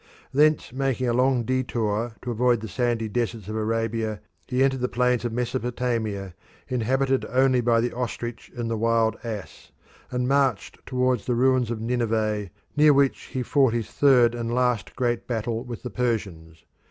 Thence making a long detour to avoid the sandy deserts of Arabia, he entered the plains of Mesopotami, inhabited only by the ostrich and the wild ass, and marched towards the ruins of Nineveh, near which he fought his third and last great battle with the Persians.